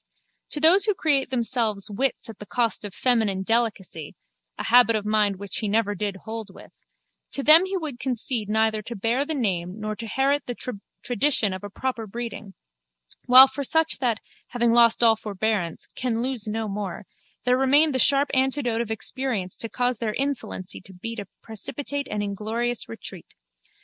To those who create themselves wits at the cost of feminine delicacy (a habit of mind which he never did hold with) to them he would concede neither to bear the name nor to herit the tradition of a proper breeding: while for such that, having lost all forbearance, can lose no more, there remained the sharp antidote of experience to cause their insolency to beat a precipitate and inglorious retreat.